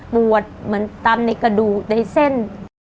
เหมือนตำในกระดูกในเส้น